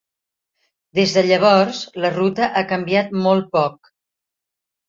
Des de llavors, la ruta ha canviat molt poc.